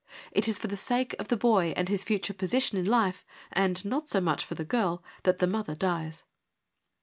It is for the sake of the boy and his future position in life, and not so much for the girl, that the mother dies.